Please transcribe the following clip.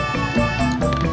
bang kopinya nanti aja ya